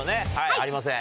ありません。